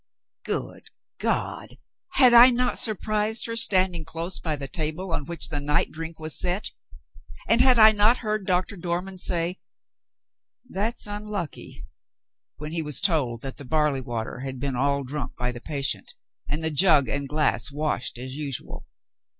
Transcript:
Good God! had I not surprised her standing close by the table on which the night drink was set? and had I not heard Doctor Dormann say, "That's unlucky," when he was told that the barley water had been all drunk by the patient, and the jug and glass washed as usual?